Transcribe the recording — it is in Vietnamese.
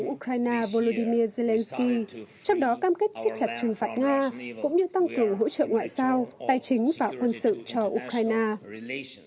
tổng thống ukraine volodymyr zelensky trong đó cam kết xếp chặt trừng phạt nga cũng như tăng cường hỗ trợ ngoại giao tài chính và quân sự cho ukraine